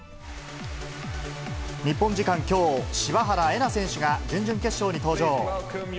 日本時間きょう、柴原瑛菜選手が準々決勝に登場。